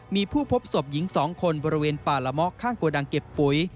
มีผู้พบศพหญิง๒คนบริเวณป่าละมะข้างโกดังเก็บปุ๋ย